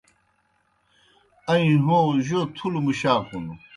اَیّں ہَو جوْ تُھلوْ مُشاکُن۔